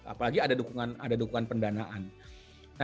apalagi ada dukungan pendanaan